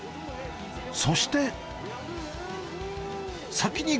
そして。